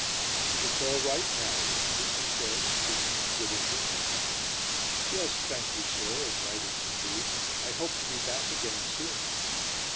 "It's all right now, isn't it?" he said, speaking in good English. "Yes, thank you, sir, as right as can be. I hope to be back again soon."